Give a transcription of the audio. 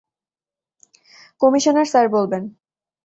Commissioner sir বলবেন।